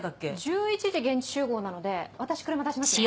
１１時現地集合なので私車出しますね。